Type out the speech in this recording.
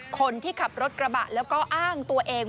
คนที่ขับรถกระบะแล้วก็อ้างตัวเอง